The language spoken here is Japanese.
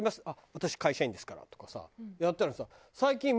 「私会社員ですから」とかさやってたのにさ。